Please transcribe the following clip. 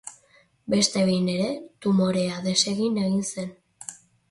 Beste behin ere, tumorea desegin egin zen.